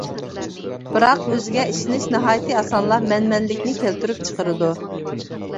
بىراق ئۆزىگە ئىشىنىش ناھايىتى ئاسانلا مەنمەنلىكنى كەلتۈرۈپ چىقىرىدۇ.